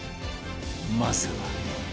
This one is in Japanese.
まずは